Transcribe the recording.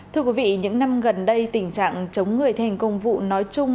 thưa quý vị những năm gần đây tình trạng chống người thành công vụ nói chung